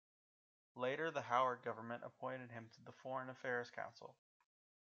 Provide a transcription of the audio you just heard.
Later, the Howard government appointed him to the Foreign Affairs Council.